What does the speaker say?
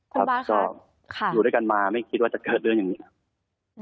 ครับก็อยู่ด้วยกันมาไม่คิดว่าจะเกิดเรื่องอย่างนี้ครับ